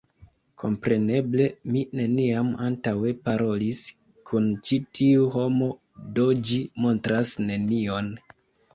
Kompreneble, mi neniam antaŭe parolis kun ĉi tiu homo do ĝi montras nenion